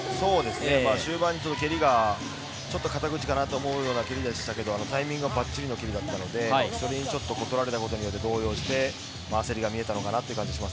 中盤に蹴りがちょっと肩口かなと思うような蹴りでしたけどタイミングはばっちりの蹴りだったのでそれにちょっと断られたことに動揺して、焦りが見えたのかなという感じがします。